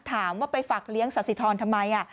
ถามว่าไปฝากเลี้ยงสาธิธรทำไม